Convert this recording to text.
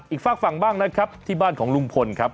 ฝากฝั่งบ้างนะครับที่บ้านของลุงพลครับ